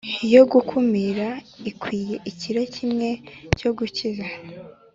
yo gukumira ikwiye ikiro kimwe cyo gukiza